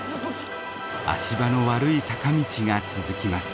足場の悪い坂道が続きます。